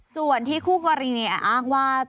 ส่วนที่คู่กรณีอ้างว่า